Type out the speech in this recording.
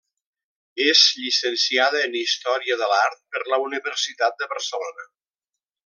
És llicenciada en Història de l'Art per la Universitat de Barcelona.